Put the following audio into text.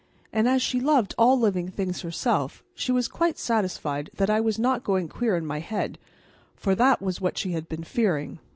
And as she loved all living things herself she was quite satisfied that I was not going queer in my head, for that was what she had been fearing.